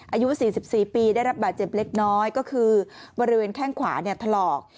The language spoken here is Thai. อายุ๔๔ปีได้รับบาดเจ็บเล็กน้อยก็คือบริเวณแข้งขวาเนี่ยถลอก